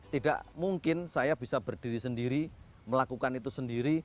tidak mungkin saya bisa berdiri sendiri melakukan itu sendiri